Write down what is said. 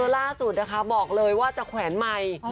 ล่าสุดนะคะบอกเลยว่าจะแขวนไมค์